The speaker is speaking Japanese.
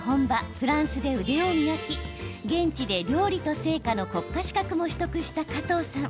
フランスで腕を磨き、現地で料理と製菓の国家資格も取得した加藤さん。